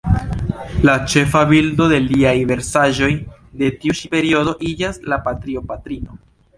La ĉefa bildo de liaj versaĵoj de tiu ĉi periodo iĝas la Patrio-patrino.